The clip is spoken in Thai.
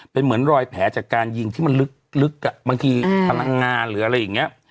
เป็นเหมือนรอยแผลจากการยิงที่มันลึกอ่ะบางทีพลังงานหรืออะไรอย่างนี้